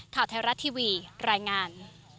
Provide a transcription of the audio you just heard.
ข่าวไทยรัฐทีวีรายงาน